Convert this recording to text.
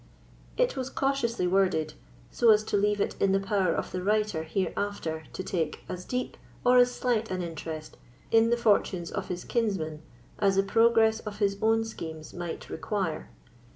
It was cautiously worded, so as to leave it in the power of the writer hereafter to take as deep or as slight an interest in the fortunes of his kinsmen as the progress of his own schemes might require.